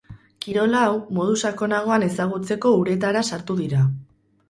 Kirol hau modu sakonagoan ezagutzeko uretara sartu dira.